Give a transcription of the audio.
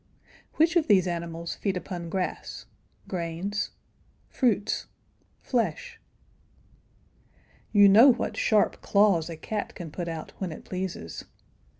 Which of these animals feed upon grass? grains? fruits? flesh? You know what sharp claws a cat can put out when it pleases.